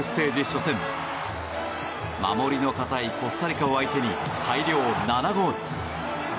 初戦守りの堅いコスタリカ相手に大量、７ゴール。